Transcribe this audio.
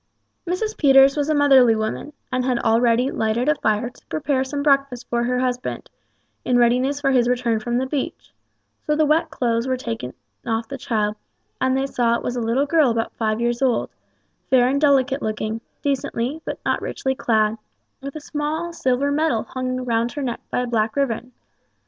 Mrs. Peters was a motherly woman, and had already lighted a fire to prepare some breakfast for her husband, in readiness for his return from the beach, so the wet clothes were soon taken off the child, and they saw it was a little girl about five years old, fair and delicate looking, decently, but not richly clad, with a small silver medal hung round her neck by a black ribbon.